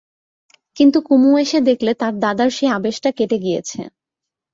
কিন্তু কুমু এসে দেখলে তার দাদার সেই আবেশটা কেটে গিয়েছে।